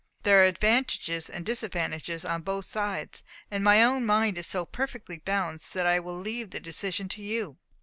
There are advantages and disadvantages on both sides; and my own mind is so perfectly balanced that I will leave the decision to you."